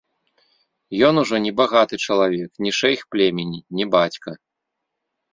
Ён ужо не багаты чалавек, не шэйх племені, не бацька.